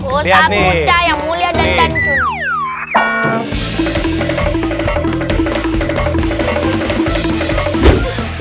ustadz musa yang mulia dan santun